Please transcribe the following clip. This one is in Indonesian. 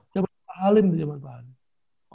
jaman pak halim tuh zaman pak halim